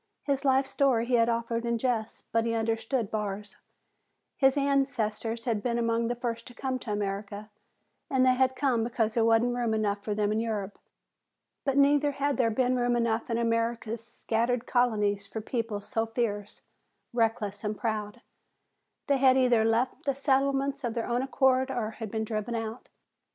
His life story he had offered in jest, but he understood Barr's. His ancestors had been among the first to come to America, and they had come because there wasn't room enough for them in Europe. But neither had there been room enough in America's scattered colonies for people so fierce, reckless and proud. They had either left the settlements of their own accord or been driven out.